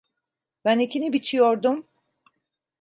Ben ekini biçiyordum…